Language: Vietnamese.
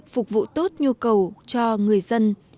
phục vụ tốt nhu cầu cho người dân